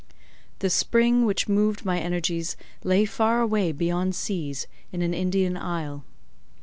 The spring which moved my energies lay far away beyond seas, in an Indian isle.